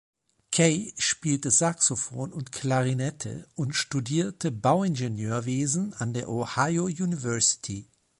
Kaye spielte Saxophon und Klarinette und studierte Bauingenieurwesen an der Ohio University.